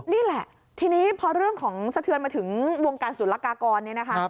นี่แหละทีนี้พอเรื่องของสะเทือนมาถึงวงการศูนละกากรเนี่ยนะคะ